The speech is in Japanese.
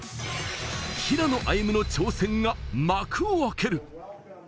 平野歩夢の挑戦が幕を開ける。